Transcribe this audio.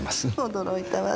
驚いたわ。